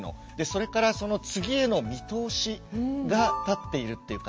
それからその次への見通しが立っているっていうか